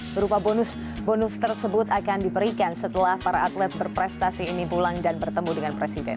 berupa bonus bonus tersebut akan diberikan setelah para atlet berprestasi ini pulang dan bertemu dengan presiden